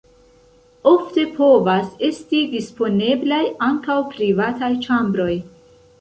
Ofte povas esti disponeblaj ankaŭ privataj ĉambroj.